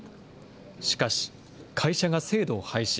しかし、会社が制度を廃止。